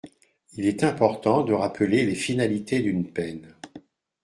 Il est important de rappeler les finalités d’une peine.